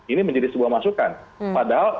ini menjadi sebuah masukan padahal